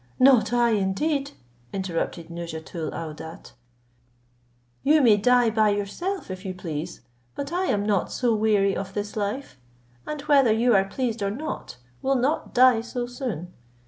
"Not I indeed," interrupted Nouzhatoul aouadat; "you may die by yourself, if you please, but I am not so weary of this life; and whether you are pleased or not, will not die so soon.